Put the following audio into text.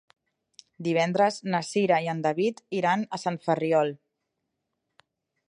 Divendres na Cira i en David iran a Sant Ferriol.